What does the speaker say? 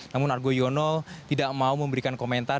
namun argo yono tidak mau memberikan komentar